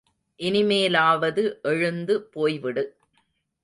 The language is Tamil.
இனிமேலாவது எழுந்து போய்விடு.